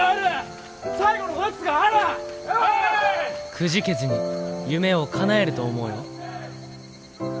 「くじけずに夢をかなえると思うよ」。